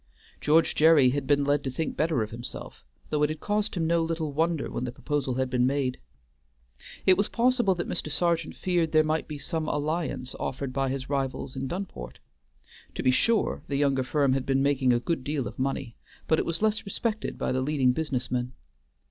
George Gerry had been led to think better of himself, though it had caused him no little wonder when the proposal had been made. It was possible that Mr. Sergeant feared that there might be some alliance offered by his rivals in Dunport. To be sure, the younger firm had been making a good deal of money, but it was less respected by the leading business men.